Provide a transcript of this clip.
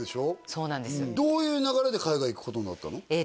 そうなんですどういう流れで海外行くことになったの？